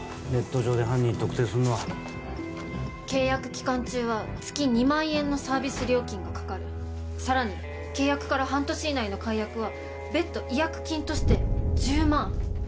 ネット上で犯人特定すんのは契約期間中は月２万円のサービス料金がかかるさらに契約から半年以内の解約は別途違約金として１０万